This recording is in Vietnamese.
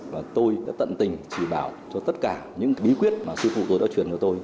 và tôi đã tận tình chỉ bảo cho tất cả những bí quyết mà sư phụ tôi đã truyền cho tôi